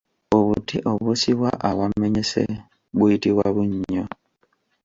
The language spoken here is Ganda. Obuti obusibwa awamenyese buyitibwa Bunnyo.